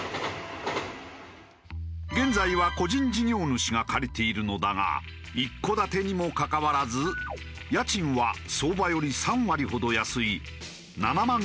現在は個人事業主が借りているのだが一戸建てにもかかわらず家賃は相場より３割ほど安い７万５０００円。